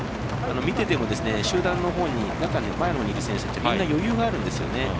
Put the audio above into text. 見てても、集団の前の方にいる選手ってみんな余裕があるんですよね。